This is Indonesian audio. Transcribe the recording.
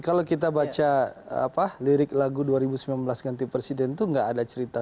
kalau kita baca lirik lagu dua ribu sembilan belas ganti presiden itu nggak ada cerita